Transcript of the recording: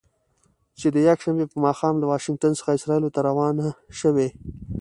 چې د یکشنبې په ماښام له واشنګټن څخه اسرائیلو ته روانه شوې.